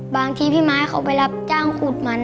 พี่ม้าเขาไปรับจ้างขุดมัน